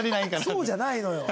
そうじゃないのよ。